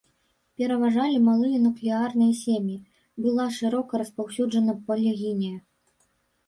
Пераважалі малыя нуклеарныя сем'і, была шырока распаўсюджана палігінія.